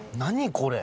これ。